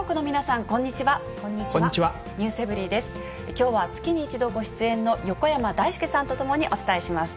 きょうは月に一度ご出演の横山だいすけさんと共にお伝えします。